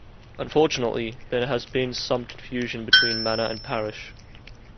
Unfortunately there has been some confusion between manor and parish.